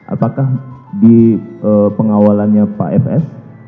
apakah di pengawalannya pak fs